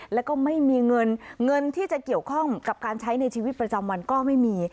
แล้วก็ไม่มีเงินเงินที่จะเกี่ยวข้องกับการใช้ในชีวิตประจำวันก็ไม่มี